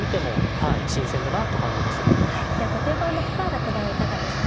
はいでは後手番の深浦九段はいかがですか。